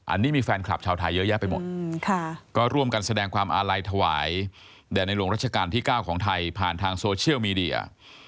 อันนี้มีแฟนคลับชาวไทยเยอะแยะไปหมดก็ร่วมกันแสดงความอาลัยถวายแด่ในหลวงรัชกาลที่๙ของไทยผ่านทางโซเชียลมีเดีย